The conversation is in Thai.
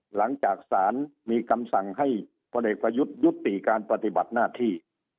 หลังจากสารมีคำสั่งให้พลเอกประยุทธ์ยุติการปฏิบัติหน้าที่